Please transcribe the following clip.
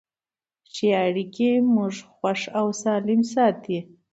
ښه اړیکې موږ خوښ او سالم ساتي.